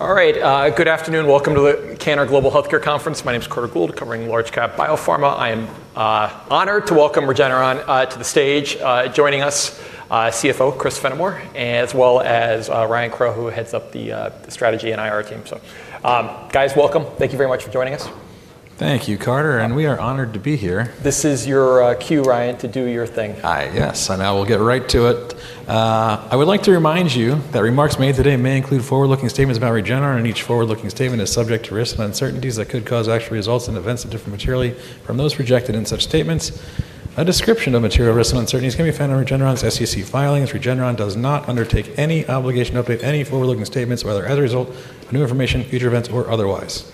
All right. Good afternoon. Welcome to the Cantor Global Healthcare Conference. My name is Carter Gould, covering large-cap biopharma. I am honored to welcome Regeneron to the stage. Joining us, CFO Chris Fenimore, as well as Ryan Crowe, who heads up the strategy and IR team. So, guys, welcome. Thank you very much for joining us. Thank you, Carter. And we are honored to be here. This is your cue, Ryan, to do your thing. Hi. Yes, and I will get right to it. I would like to remind you that remarks made today may include forward-looking statements about Regeneron, and each forward-looking statement is subject to risks and uncertainties that could cause actual results and events that differ materially from those projected in such statements. A description of material risks and uncertainties can be found in Regeneron's SEC filings. Regeneron does not undertake any obligation to update any forward-looking statements whether as a result of new information, future events, or otherwise.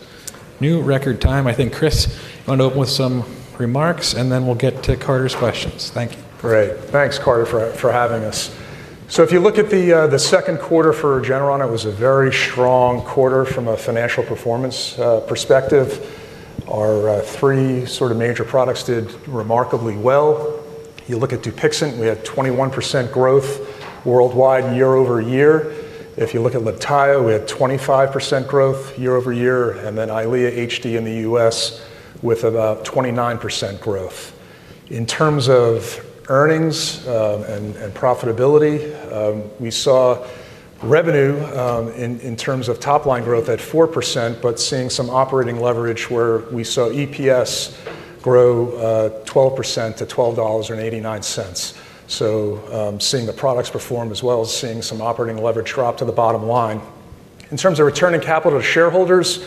New record time. I think Chris wanted to open with some remarks, and then we'll get to Carter's questions. Thank you. Great. Thanks, Carter, for having us. So, if you look at the second quarter for Regeneron, it was a very strong quarter from a financial performance perspective. Our three major products did remarkably well. You look at Dupixent, we had 21% growth worldwide year over year. If you look at Libtayo, we had 25% growth year-over-year. And then Eylea HD in the U.S. with about 29% growth. In terms of earnings and profitability, we saw revenue in terms of top-line growth at 4%, but seeing some operating leverage where we saw EPS grow 12% to $12.89. So, seeing the products perform as well as seeing some operating leverage drop to the bottom line. In terms of returning capital to shareholders,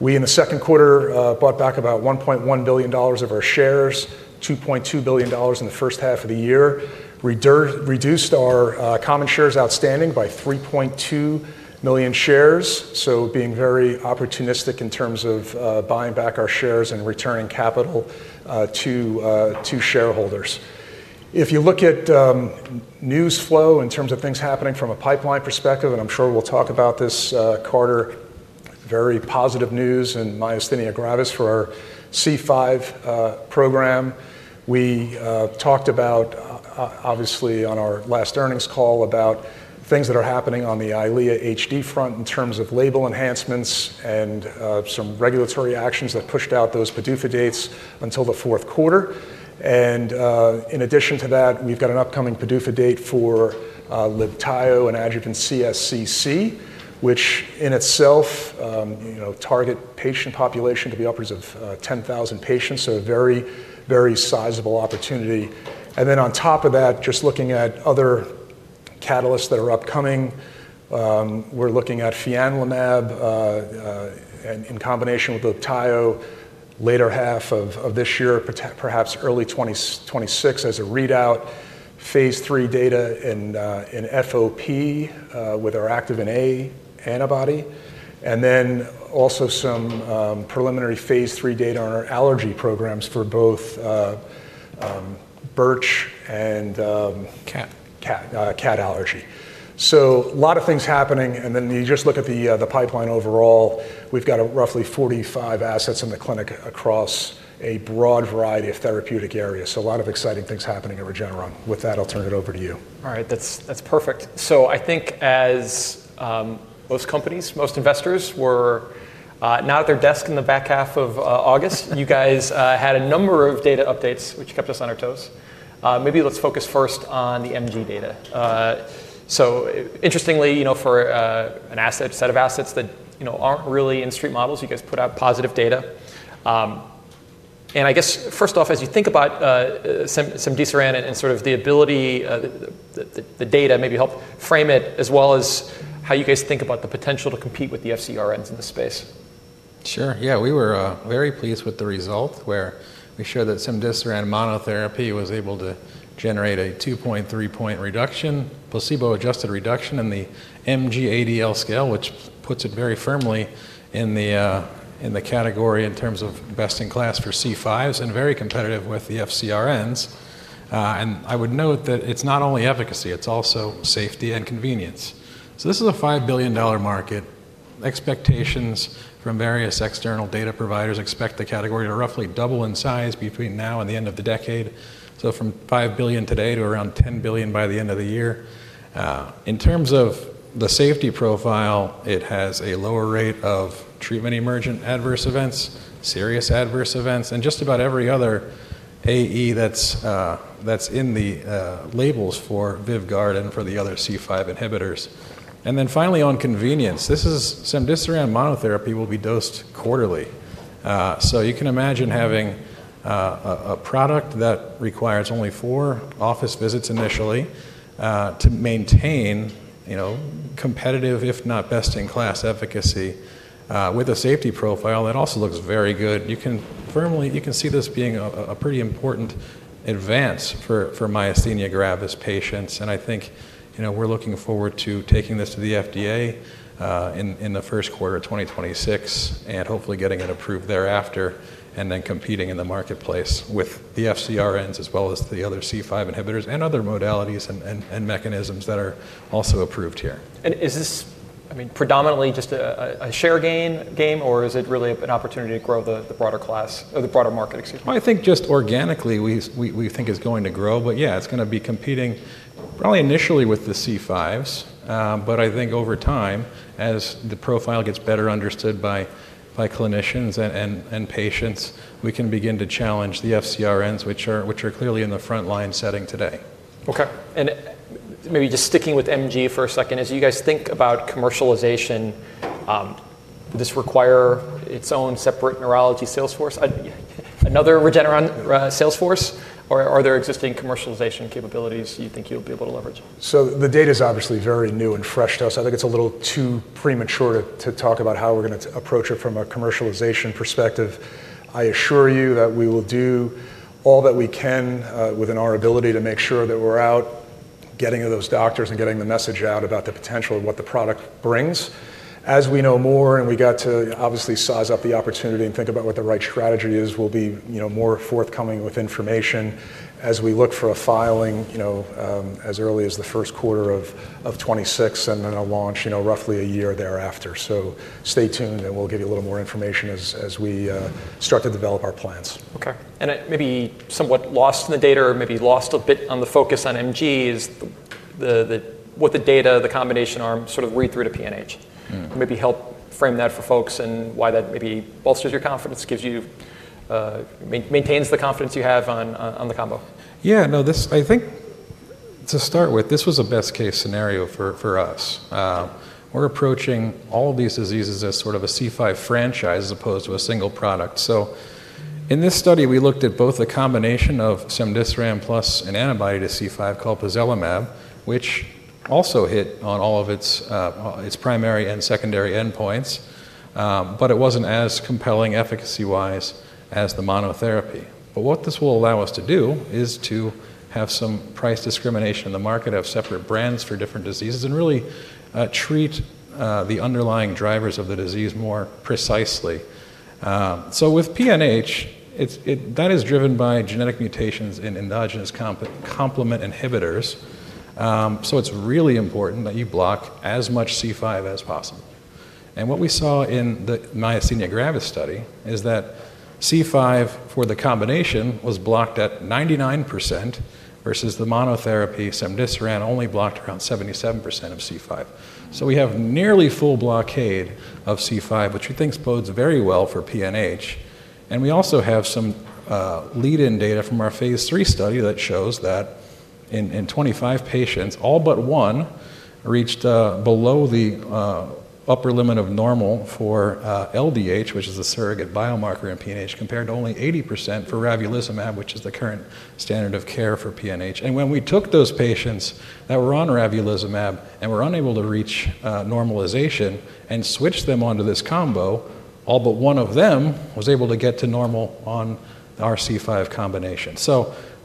we in the second quarter bought back about $1.1 billion of our shares, $2.2 billion in the first half of the year. We reduced our common shares outstanding by 3.2 million shares. So, being very opportunistic in terms of buying back our shares and returning capital to shareholders. If you look at news flow in terms of things happening from a pipeline perspective, and I'm sure we'll talk about this, Carter, very positive news in myasthenia gravis for our C5 program. We talked about, obviously, on our last earnings call, about things that are happening on the Eylea HD front in terms of label enhancements and some regulatory actions that pushed out those PDUFA dates until the fourth quarter. And in addition to that, we've got an upcoming PDUFA date for Libtayo and adjuvant CSCC, which in itself targets patient population to be upwards of 10,000 patients. So, a very, very sizable opportunity. And then on top of that, just looking at other catalysts that are upcoming, we're looking at fianlimab in combination with Libtayo later half of this year, perhaps early 2026 as a readout, phase III data in FOP with our Activin A antibody. And then also some preliminary phase III data on our allergy programs for both birch and cat allergy. So, a lot of things happening. And then you just look at the pipeline overall, we've got roughly 45 assets in the clinic across a broad variety of therapeutic areas. So, a lot of exciting things happening at Regeneron. With that, I'll turn it over to you. All right. That's perfect, so I think as most companies, most investors were not at their desk in the back half of August, you guys had a number of data updates which kept us on our toes. Maybe let's focus first on the MG data, so interestingly, for an asset set of assets that aren't really in street models, you guys put out positive data, and I guess, first off, as you think about cemdisiran and sort of the ability, the data maybe help frame it, as well as how you guys think about the potential to compete with the FcRns in the space. Sure. Yeah. We were very pleased with the result where we showed that cemdisiran monotherapy was able to generate a 2.3-point reduction, placebo-adjusted reduction in the MG-ADL scale, which puts it very firmly in the category in terms of best in class for C5s and very competitive with the FcRNs. And I would note that it's not only efficacy, it's also safety and convenience. So, this is a $5 billion market. Expectations from various external data providers expect the category to roughly double in size between now and the end of the decade. So, from $5 billion today to around $10 billion by the end of the year. In terms of the safety profile, it has a lower rate of treatment-emergent adverse events, serious adverse events, and just about every other AE that's in the labels for Vyvgart and for the other C5 inhibitors. Then finally, on convenience, this cemdisiran monotherapy will be dosed quarterly. So, you can imagine having a product that requires only four office visits initially to maintain competitive, if not best in class, efficacy with a safety profile that also looks very good. You can firmly, you can see this being a pretty important advance for myasthenia gravis patients. I think we're looking forward to taking this to the FDA in the first quarter of 2026 and hopefully getting it approved thereafter and then competing in the marketplace with the FcRNs as well as the other C5 inhibitors and other modalities and mechanisms that are also approved here. And is this, I mean, predominantly just a share game or is it really an opportunity to grow the broader class or the broader market, excuse me? I think just organically we think it's going to grow. But yeah, it's going to be competing probably initially with the C5s. But I think over time, as the profile gets better understood by clinicians and patients, we can begin to challenge the FcRNs, which are clearly in the frontline setting today. Okay. And maybe just sticking with MG for a second, as you guys think about commercialization, does this require its own separate neurology sales force, another Regeneron sales force, or are there existing commercialization capabilities you think you'll be able to leverage? The data is obviously very new and fresh to us. I think it's a little too premature to talk about how we're going to approach it from a commercialization perspective. I assure you that we will do all that we can within our ability to make sure that we're out getting to those doctors and getting the message out about the potential of what the product brings. As we know more and we got to obviously size up the opportunity and think about what the right strategy is, we'll be more forthcoming with information as we look for a filing as early as the first quarter of 2026 and then a launch roughly a year thereafter. So, stay tuned and we'll give you a little more information as we start to develop our plans. Okay. And maybe somewhat lost in the data, or maybe lost a bit on the focus on MG, is what the data, the combination arm, sort of read through to PNH? Maybe help frame that for folks and why that maybe bolsters your confidence, gives you, maintains the confidence you have on the combo. Yeah. No, this, I think to start with, this was a best case scenario for us. We're approaching all of these diseases as sort of a C5 franchise as opposed to a single product. So, in this study, we looked at both the combination of cemdisiran plus an antibody to C5 called pozelimab, which also hit on all of its primary and secondary endpoints, but it wasn't as compelling efficacy-wise as the monotherapy. But what this will allow us to do is to have some price discrimination in the market, have separate brands for different diseases, and really treat the underlying drivers of the disease more precisely. So, with PNH, that is driven by genetic mutations in endogenous complement inhibitors. So, it's really important that you block as much C5 as possible. What we saw in the myasthenia gravis study is that C5 for the combination was blocked at 99% versus the monotherapy cemdisiran only blocked around 77% of C5. We have nearly full blockade of C5, which we think bodes very well for PNH. We also have some lead-in data from our phase III study that shows that in 25 patients, all but one reached below the upper limit of normal for LDH, which is a surrogate biomarker in PNH, compared to only 80% for ravulizumab, which is the current standard of care for PNH. When we took those patients that were on ravulizumab and were unable to reach normalization and switched them onto this combo, all but one of them was able to get to normal on our C5 combination.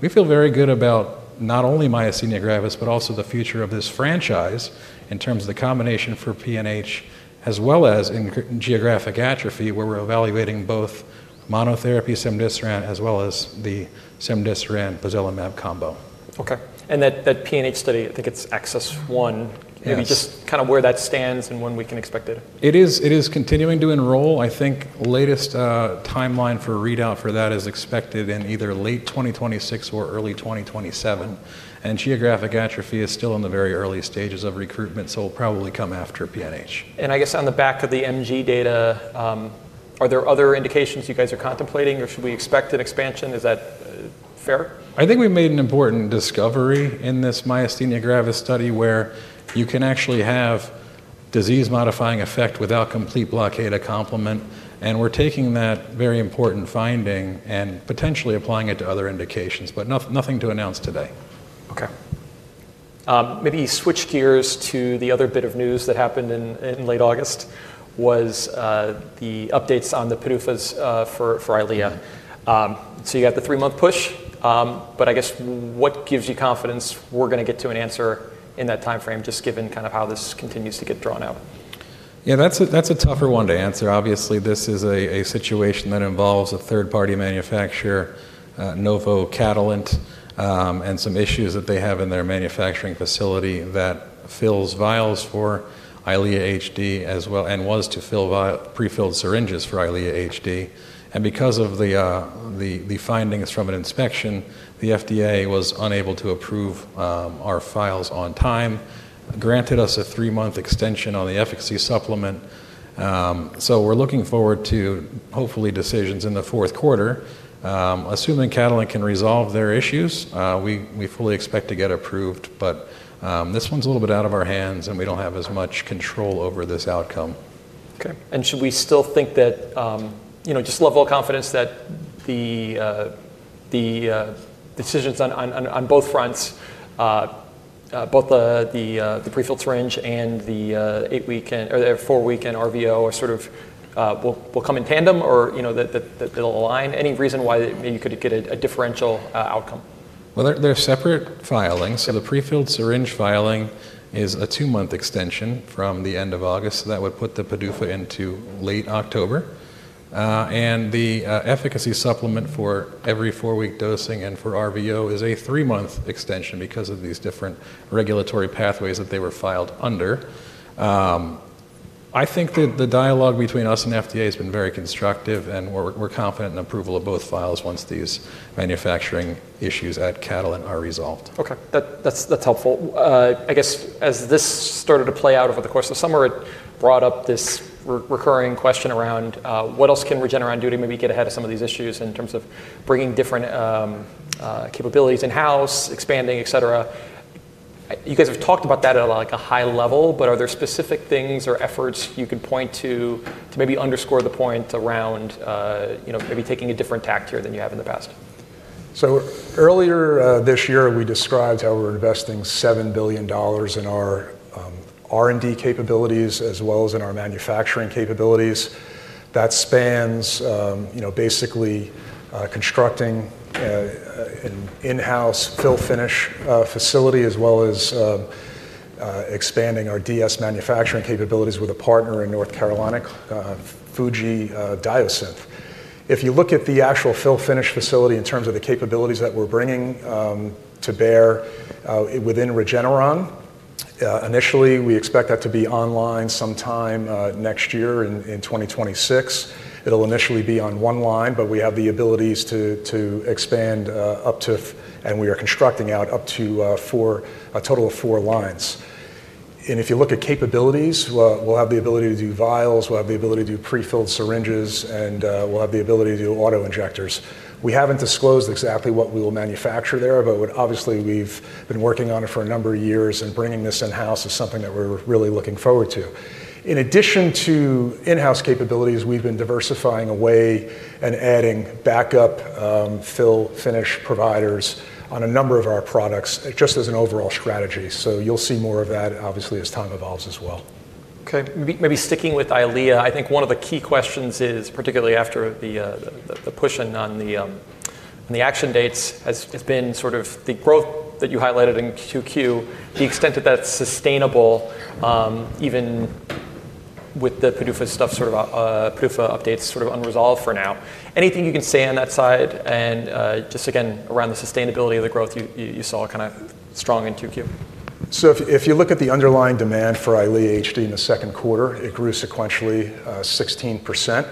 We feel very good about not only myasthenia gravis, but also the future of this franchise in terms of the combination for PNH, as well as in geographic atrophy where we're evaluating both monotherapy cemdisiran as well as the cemdisiran-pozelimab combo. Okay. And that PNH study, I think it's Axis One, maybe just kind of where that stands and when we can expect it? It is continuing to enroll. I think latest timeline for readout for that is expected in either late 2026 or early 2027, and geographic atrophy is still in the very early stages of recruitment, so it'll probably come after PNH. And I guess on the back of the MG data, are there other indications you guys are contemplating or should we expect an expansion? Is that fair? I think we've made an important discovery in this myasthenia gravis study where you can actually have disease-modifying effect without complete blockade of complement, and we're taking that very important finding and potentially applying it to other indications, but nothing to announce today. Okay. Maybe switch gears to the other bit of news that happened in late August was the updates on the PDUFAs for Eylea. So, you got the three-month push, but I guess what gives you confidence we're going to get to an answer in that timeframe just given kind of how this continues to get drawn out? Yeah, that's a tougher one to answer. Obviously, this is a situation that involves a third-party manufacturer, Catalent, and some issues that they have in their manufacturing facility that fills vials for EYLEA HD as well and was to fill prefilled syringes for EYLEA HD. And because of the findings from an inspection, the FDA was unable to approve our filing on time, granted us a three-month extension on the efficacy supplement. So, we're looking forward to hopefully decisions in the fourth quarter. Assuming Catalent can resolve their issues, we fully expect to get approved, but this one's a little bit out of our hands and we don't have as much control over this outcome. Okay. And should we still think that, just level of confidence that the decisions on both fronts, both the prefilled syringe and the eight-week or four-week and RVO sort of will come in tandem or that they'll align? Any reason why you could get a differential outcome? They're separate filings. The prefilled syringe filing is a two-month extension from the end of August. That would put the PDUFA into late October. The efficacy supplement for every four-week dosing and for RVO is a three-month extension because of these different regulatory pathways that they were filed under. I think that the dialogue between us and FDA has been very constructive and we're confident in approval of both files once these manufacturing issues at Catalent are resolved. Okay. That's helpful. As this started to play out over the course of summer, it brought up this recurring question around what else can Regeneron do to maybe get ahead of some of these issues in terms of bringing different capabilities in-house, expanding, et cetera. You guys have talked about that at a high level, but are there specific things or efforts you can point to to maybe underscore the point around maybe taking a different tack here than you have in the past? Earlier this year, we described how we're investing $7 billion in our R&D capabilities as well as in our manufacturing capabilities. That spans basically constructing an in-house fill finish facility as well as expanding our DS manufacturing capabilities with a partner in North Carolina, Fujifilm Diosynth. If you look at the actual fill finish facility in terms of the capabilities that we're bringing to bear within Regeneron, initially we expect that to be online sometime next year in 2026. It'll initially be on one line, but we have the abilities to expand up to, and we are constructing out up to a total of four lines. If you look at capabilities, we'll have the ability to do vials, we'll have the ability to do prefilled syringes, and we'll have the ability to do auto injectors. We haven't disclosed exactly what we will manufacture there, but obviously we've been working on it for a number of years and bringing this in-house is something that we're really looking forward to. In addition to in-house capabilities, we've been diversifying away and adding backup fill finish providers on a number of our products just as an overall strategy. So, you'll see more of that obviously as time evolves as well. Okay. Maybe sticking with Eylea, I think one of the key questions is particularly after the push on the action dates has been sort of the growth that you highlighted in 2Q, the extent of that sustainable even with the PDUFA stuff, sort of PDUFA updates sort of unresolved for now. Anything you can say on that side and just again around the sustainability of the growth you saw kind of strong in 2Q? If you look at the underlying demand for Eylea HD in the second quarter, it grew sequentially 16%.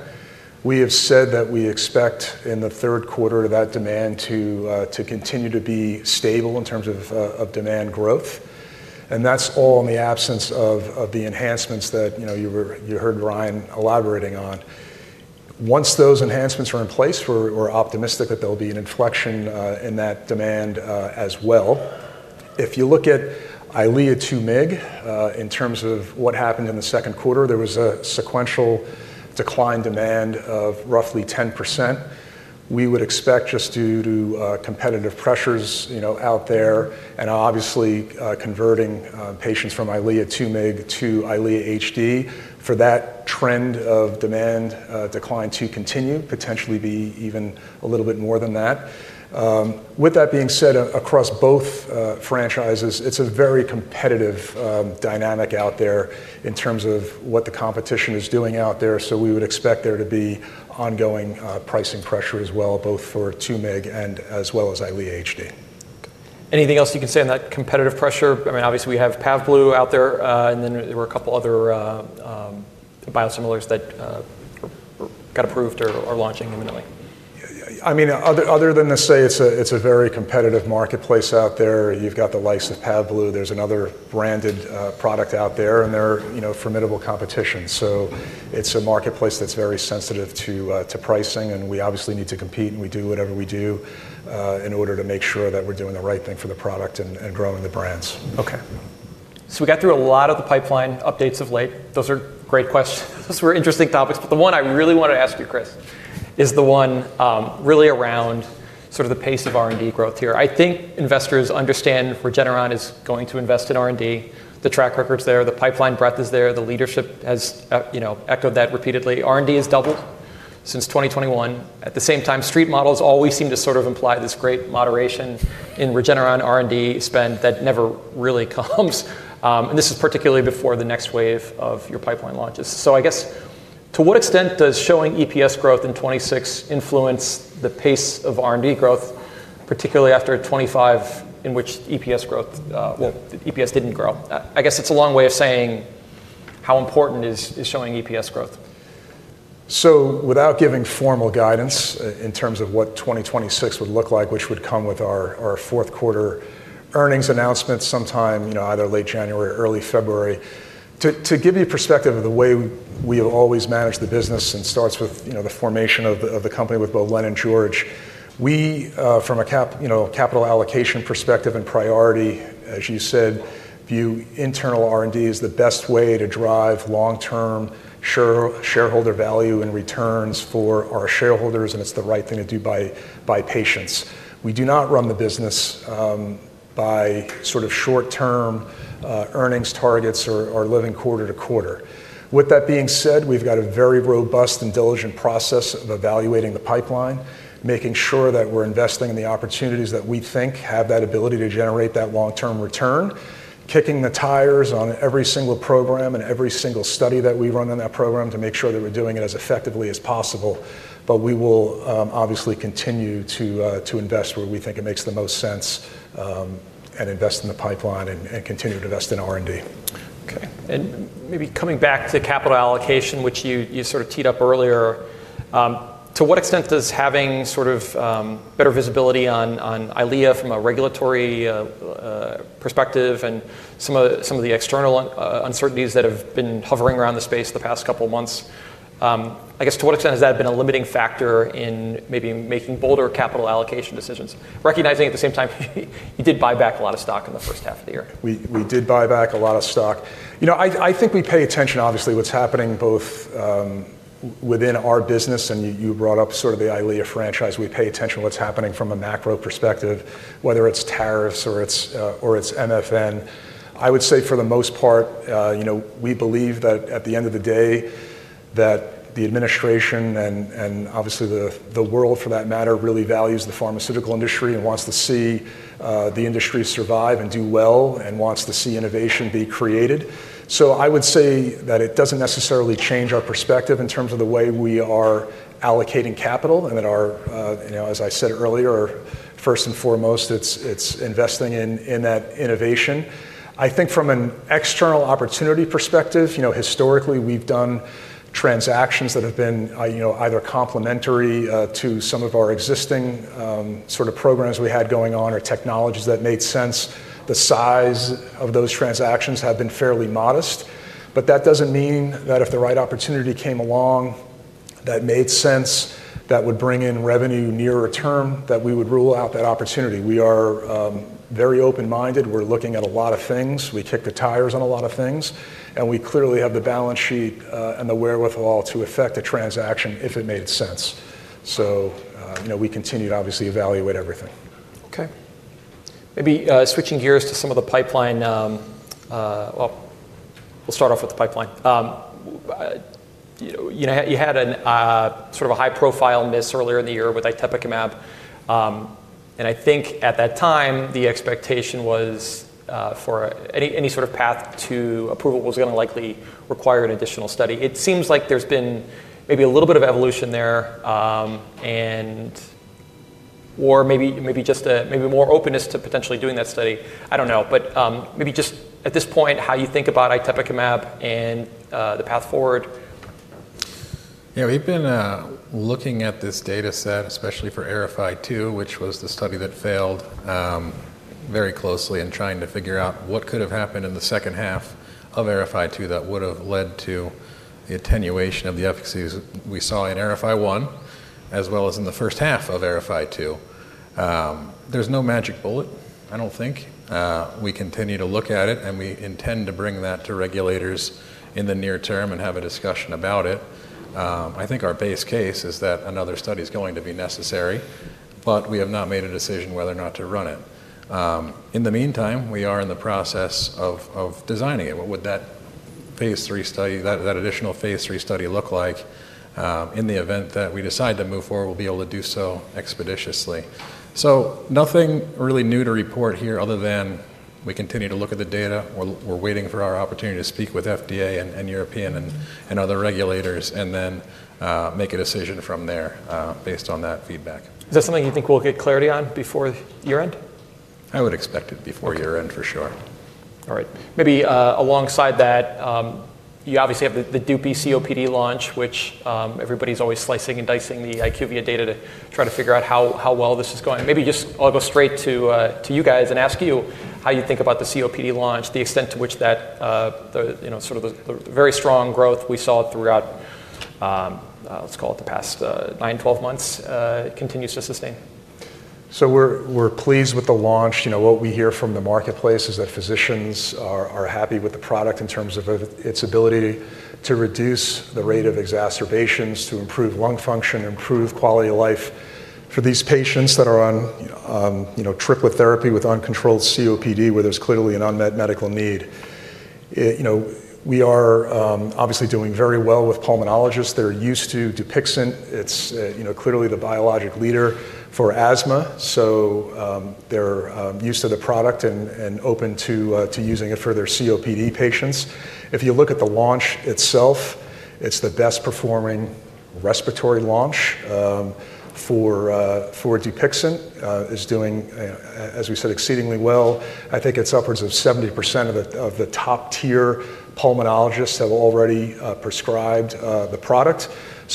We have said that we expect in the third quarter that demand to continue to be stable in terms of demand growth. And that's all in the absence of the enhancements that you heard Ryan elaborating on. Once those enhancements are in place, we're optimistic that there'll be an inflection in that demand as well. If you look at Eylea 2 mg in terms of what happened in the second quarter, there was a sequential decline demand of roughly 10%. We would expect, just due to competitive pressures out there and obviously converting patients from Eylea 2 mg to Eylea HD, for that trend of demand decline to continue, potentially be even a little bit more than that. With that being said, across both franchises, it's a very competitive dynamic out there in terms of what the competition is doing out there. So, we would expect there to be ongoing pricing pressure as well, both for 2 mg and as well as Eylea HD. Anything else you can say on that competitive pressure? I mean, obviously we have Pavblu out there and then there were a couple other biosimilars that got approved or are launching imminently. I mean, other than to say it's a very competitive marketplace out there, you've got the likes of Pavblu. There's another branded product out there and they're formidable competition. So, it's a marketplace that's very sensitive to pricing and we obviously need to compete and we do whatever we do in order to make sure that we're doing the right thing for the product and growing the brands. Okay. So, we got through a lot of the pipeline updates of late. Those are great questions. Those were interesting topics, but the one I really wanted to ask you, Chris, is the one really around sort of the pace of R&D growth here. I think investors understand Regeneron is going to invest in R&D. The track record's there, the pipeline breadth is there, the leadership has echoed that repeatedly. R&D has doubled since 2021. At the same time, street models always seem to sort of imply this great moderation in Regeneron R&D spend that never really comes. And this is particularly before the next wave of your pipeline launches. So, I guess to what extent does showing EPS growth in 2026 influence the pace of R&D growth, particularly after 2025 in which EPS growth, well, EPS didn't grow? It's a long way of saying how important is showing EPS growth? Without giving formal guidance in terms of what 2026 would look like, which would come with our fourth quarter earnings announcements sometime either late January, early February, to give you perspective of the way we have always managed the business and starts with the formation of the company with both Len and George, we from a capital allocation perspective and priority, as you said, view internal R&D as the best way to drive long-term shareholder value and returns for our shareholders and it's the right thing to do by patients. We do not run the business by sort of short-term earnings targets or living quarter-to-quarter. With that being said, we've got a very robust and diligent process of evaluating the pipeline, making sure that we're investing in the opportunities that we think have that ability to generate that long-term return, kicking the tires on every single program and every single study that we run on that program to make sure that we're doing it as effectively as possible. But we will obviously continue to invest where we think it makes the most sense and invest in the pipeline and continue to invest in R&D. Okay. And maybe coming back to capital allocation, which you sort of teed up earlier, to what extent does having sort of better visibility on EYLEA from a regulatory perspective and some of the external uncertainties that have been hovering around the space the past couple of months, to what extent has that been a limiting factor in maybe making bolder capital allocation decisions, recognizing at the same time you did buy back a lot of stock in the first half of the year? We did buy back a lot of stock. You know, I think we pay attention obviously to what's happening both within our business and you brought up sort of the Eylea franchise. We pay attention to what's happening from a macro perspective, whether it's tariffs or it's MFN. I would say for the most part, we believe that at the end of the day that the administration and obviously the world for that matter really values the pharmaceutical industry and wants to see the industry survive and do well and wants to see innovation be created. So, I would say that it doesn't necessarily change our perspective in terms of the way we are allocating capital and that our, as I said earlier, first and foremost, it's investing in that innovation. I think from an external opportunity perspective, historically we've done transactions that have been either complementary to some of our existing sort of programs we had going on or technologies that made sense. The size of those transactions have been fairly modest, but that doesn't mean that if the right opportunity came along that made sense that would bring in revenue near return that we would rule out that opportunity. We are very open-minded. We're looking at a lot of things. We kick the tires on a lot of things and we clearly have the balance sheet and the wherewithal to affect a transaction if it made sense. So, we continue to obviously evaluate everything. Okay. Maybe switching gears to some of the pipeline. Well, we'll start off with the pipeline. You had sort of a high-profile miss earlier in the year with itepekimab, and I think at that time the expectation was for any sort of path to approval was going to likely require an additional study. It seems like there's been maybe a little bit of evolution there and or maybe just maybe more openness to potentially doing that study. I don't know, but maybe just at this point how you think about itepekimab and the path forward. Yeah, we've been looking at this dataset, especially for AERIFY-2, which was the study that failed very closely and trying to figure out what could have happened in the second half of AERIFY-2 that would have led to the attenuation of the efficacies we saw in AERIFY-1 as well as in the first half ofAERIFY-2. There's no magic bullet, I don't think. We continue to look at it and we intend to bring that to regulators in the near term and have a discussion about it. I think our base case is that another study is going to be necessary, but we have not made a decision whether or not to run it. In the meantime, we are in the process of designing it. What would that phase III study, that additional phase III study, look like in the event that we decide to move forward? We'll be able to do so expeditiously. So, nothing really new to report here other than we continue to look at the data. We're waiting for our opportunity to speak with FDA and European and other regulators and then make a decision from there based on that feedback. Is that something you think we'll get clarity on before year-end? I would expect it before year-end for sure. All right. Maybe alongside that, you obviously have the Dupi COPD launch, which everybody's always slicing and dicing the IQVIA data to try to figure out how well this is going. Maybe just I'll go straight to you guys and ask you how you think about the COPD launch, the extent to which that sort of the very strong growth we saw throughout, let's call it the past nine, 12 months, continues to sustain. We're pleased with the launch. What we hear from the marketplace is that physicians are happy with the product in terms of its ability to reduce the rate of exacerbations, to improve lung function, improve quality of life for these patients that are on triplet therapy with uncontrolled COPD where there's clearly an unmet medical need. We are obviously doing very well with pulmonologists. They're used to Dupixent. It's clearly the biologic leader for asthma. So, they're used to the product and open to using it for their COPD patients. If you look at the launch itself, it's the best performing respiratory launch for Dupixent. It's doing, as we said, exceedingly well. I think it's upwards of 70% of the top tier pulmonologists have already prescribed the product.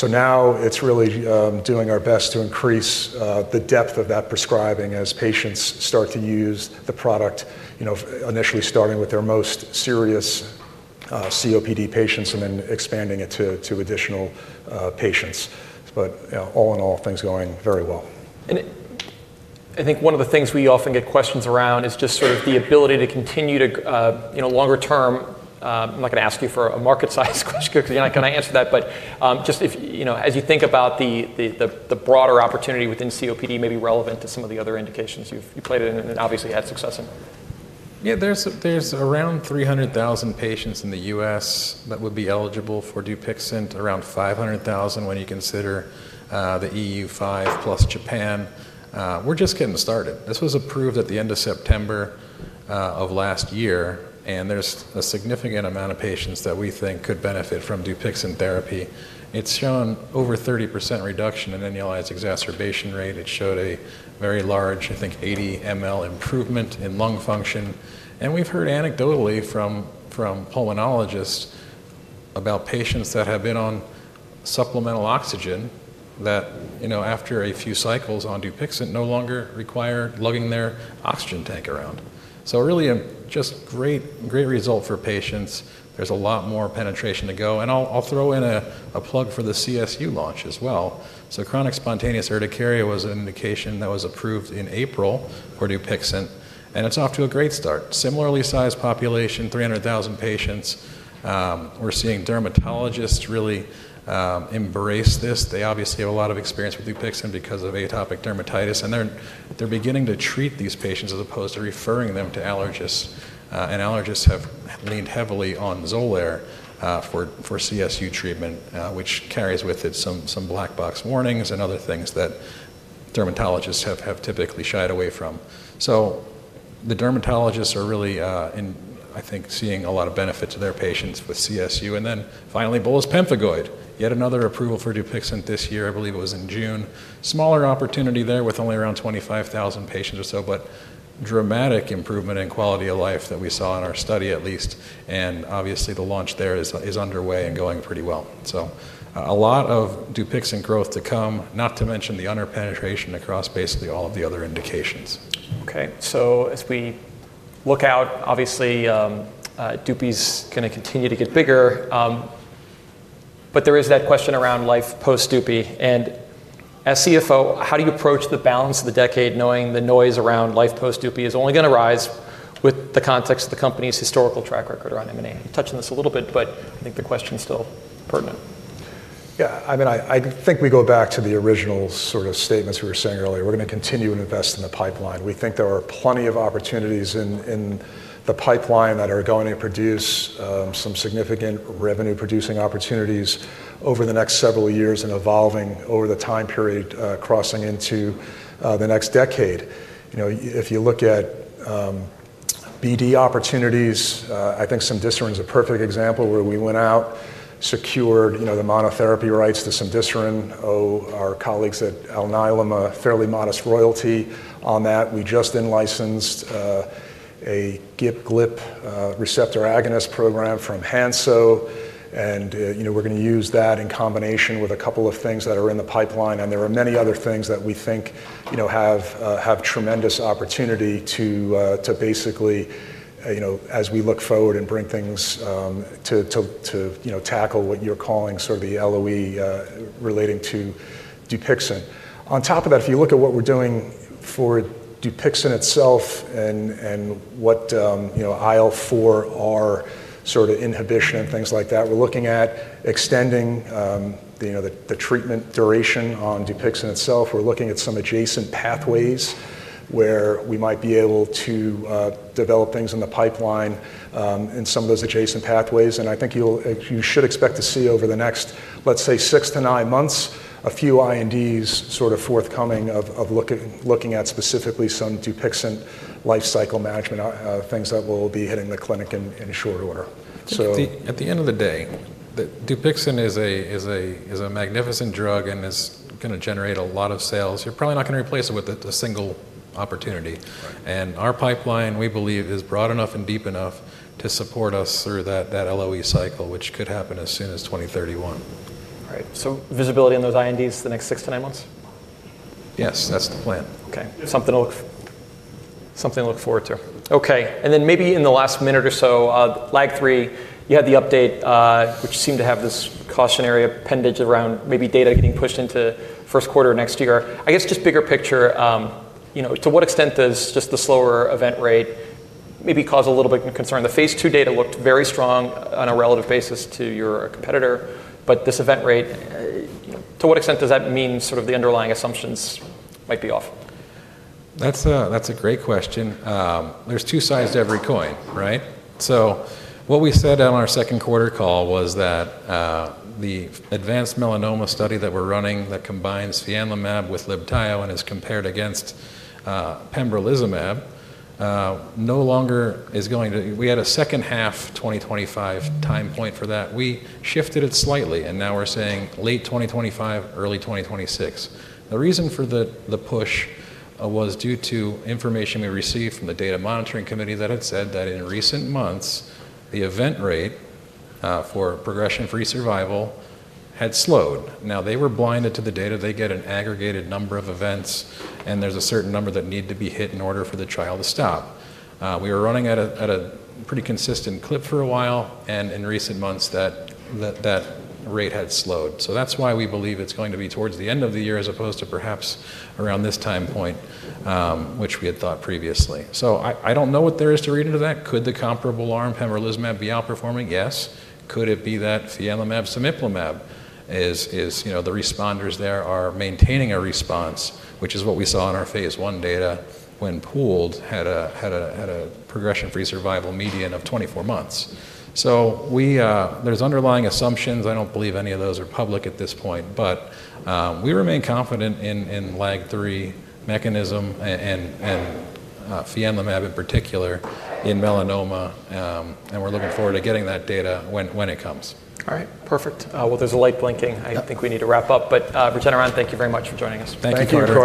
Now it's really doing our best to increase the depth of that prescribing as patients start to use the product, initially starting with their most serious COPD patients and then expanding it to additional patients. All in all, things are going very well. I think one of the things we often get questions around is just sort of the ability to continue to longer term. I'm not going to ask you for a market size question because you're not going to answer that, but just as you think about the broader opportunity within COPD maybe relevant to some of the other indications you've played in and obviously had success in. Yeah, there's around 300,000 patients in the U.S. that would be eligible for Dupixent, around 500,000 when you consider the EU5 plus Japan. We're just getting started. This was approved at the end of September of last year and there's a significant amount of patients that we think could benefit from Dupixent therapy. It's shown over 30% reduction in anyone's exacerbation rate. It showed a very large, I think 80 mL improvement in lung function. And we've heard anecdotally from pulmonologists about patients that have been on supplemental oxygen that after a few cycles on Dupixent no longer require lugging their oxygen tank around. So, really just great result for patients. There's a lot more penetration to go. And I'll throw in a plug for the CSU launch as well. Chronic spontaneous urticaria was an indication that was approved in April for Dupixent and it's off to a great start. Similarly sized population, 300,000 patients. We're seeing dermatologists really embrace this. They obviously have a lot of experience with Dupixent because of atopic dermatitis and they're beginning to treat these patients as opposed to referring them to allergists. And allergists have leaned heavily on Xolair for CSU treatment, which carries with it some black box warnings and other things that dermatologists have typically shied away from. So, the dermatologists are really, I think, seeing a lot of benefits to their patients with CSU. And then finally, bullous pemphigoid, yet another approval for Dupixent this year. I believe it was in June. Smaller opportunity there with only around 25,000 patients or so, but dramatic improvement in quality of life that we saw in our study at least. Obviously the launch there is underway and going pretty well. A lot of Dupixent growth to come, not to mention the under penetration across basically all of the other indications. Okay. So, as we look out, obviously DUPI's going to continue to get bigger, but there is that question around life post-DUPI and as CFO, how do you approach the balance of the decade knowing the noise around life post-DUPI is only going to rise with the context of the company's historical track record around M&A? Touching this a little bit, but I think the question is still pertinent. Yeah. I mean, I think we go back to the original sort of statements we were saying earlier. We're going to continue to invest in the pipeline. We think there are plenty of opportunities in the pipeline that are going to produce some significant revenue-producing opportunities over the next several years and evolving over the time period crossing into the next decade. If you look at BD opportunities, I think cemdisiran is a perfect example where we went out, secured the monotherapy rights to cemdisiran. Our colleagues at Alnylam, a fairly modest royalty on that. We just then licensed a GIP/GLP-1 receptor agonist program from Hansoh and we're going to use that in combination with a couple of things that are in the pipeline. There are many other things that we think have tremendous opportunity to basically, as we look forward and bring things to tackle what you're calling sort of the LOE relating to Dupixent. On top of that, if you look at what we're doing for Dupixent itself and what IL4R sort of inhibition and things like that, we're looking at extending the treatment duration on Dupixent itself. We're looking at some adjacent pathways where we might be able to develop things in the pipeline in some of those adjacent pathways. I think you should expect to see over the next, let's say, six to nine months, a few INDs sort of forthcoming of looking at specifically some Dupixent life cycle management of things that will be hitting the clinic in short order. So. At the end of the day, Dupixent is a magnificent drug and is going to generate a lot of sales. You're probably not going to replace it with a single opportunity. And our pipeline, we believe, is broad enough and deep enough to support us through that LOE cycle, which could happen as soon as 2031. All right. So, visibility in those INDs the next six to nine months? Yes, that's the plan. Okay. Something to look forward to. Okay. And then maybe in the last minute or so, LAG-3, you had the update, which seemed to have this cautionary appendage around maybe data getting pushed into first quarter next year. Just bigger picture, to what extent does just the slower event rate maybe cause a little bit of concern? The phase II data looked very strong on a relative basis to your competitor, but this event rate, to what extent does that mean sort of the underlying assumptions might be off? That's a great question. There's two sides to every coin, right? So, what we said on our second quarter call was that the advanced melanoma study that we're running that combines fianlimab with Libtayo and is compared against pembrolizumab no longer is going to, we had a second half 2025 time point for that. We shifted it slightly and now we're saying late 2025, early 2026. The reason for the push was due to information we received from the data monitoring committee that had said that in recent months, the event rate for progression-free survival had slowed. Now, they were blinded to the data. They get an aggregated number of events and there's a certain number that need to be hit in order for the trial to stop. We were running at a pretty consistent clip for a while and in recent months that rate had slowed. So, that's why we believe it's going to be towards the end of the year as opposed to perhaps around this time point, which we had thought previously. So, I don't know what there is to read into that. Could the comparable arm, pembrolizumab, be outperforming? Yes. Could it be that fianlimab, cemiplimab, the responders there are maintaining a response, which is what we saw in our phase I data when pooled had a progression-free survival median of 24 months. So, there's underlying assumptions. I don't believe any of those are public at this point, but we remain confident in LAG-3 mechanism and fianlimab in particular in melanoma. And we're looking forward to getting that data when it comes. All right. Perfect. Well, there's a light blinking. I think we need to wrap up, but Regeneron, thank you very much for joining us. Thank you, Carter.